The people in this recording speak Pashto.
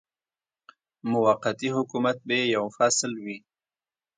موقتي حکومت به یې یو فصل وي.